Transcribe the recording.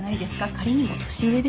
仮にも年上ですよ？